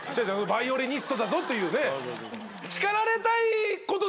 バイオリニストだぞというね。